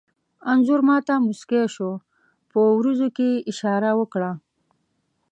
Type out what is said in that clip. انځور ما ته موسکی شو، په وروځو کې یې اشاره وکړه.